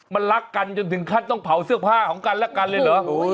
มันรักกันจนถึงขั้นต้องเผาเสื้อผ้าของกันและกันเลยเหรอ